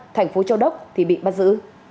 thành phố châu đốc thì bị bắt giữ